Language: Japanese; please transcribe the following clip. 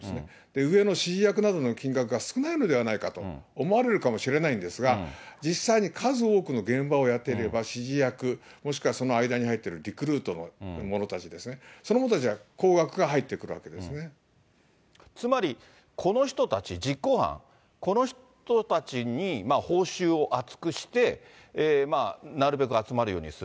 上の指示役などの金額が少ないのではないかと思われるかもしれないんですが、実際に数多くの現場をやっていれば、指示役、もしくはその間に入っているリクルートの者たちですね、その者たつまり、この人たち実行犯、この人たちに報酬を厚くして、なるべく集まるようにする。